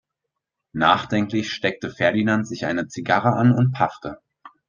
Nachdenklich steckte Ferdinand sich eine Zigarre an und paffte.